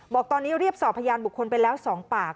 บอกตอนนี้เรียกสอบพยานบุคคลไปแล้ว๒ปาก